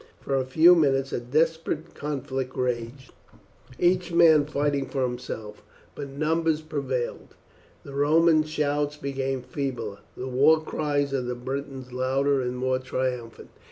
For a few minutes a desperate conflict raged, each man fighting for himself, but numbers prevailed, the Roman shouts became feebler, the war cries of the Britons louder and more triumphant.